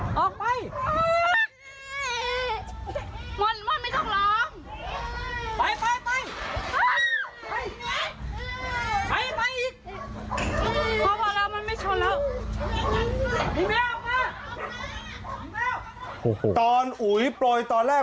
ชอบแล้วพี่แม่ออกมาพี่แม่ออกมาโอ้โหตอนอุ๋ยปล่อยตอนแรก